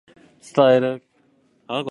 伝える